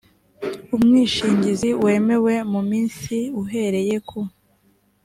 umwishingizi wemewe mu minsi uhereye ku